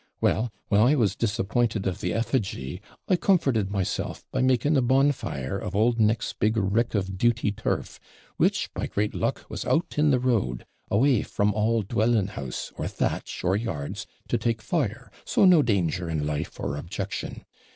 Well, when I was disappointed of the EFFIGY, I comforted myself by making a bonfire of old Nick's big rick of duty turf, which, by great luck, was out in the road, away from all dwelling house, or thatch, or yards, to take fire; so no danger in life or objection.